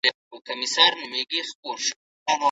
د هلکانو لیلیه پرته له پلانه نه پراخیږي.